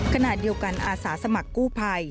ขณะเดียวกันอาสาสมัครกู้ภัย